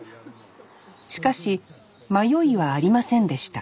しかし迷いはありませんでした